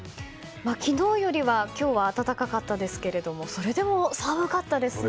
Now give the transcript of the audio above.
昨日よりは今日は暖かかったですけれどもそれでも寒かったですね。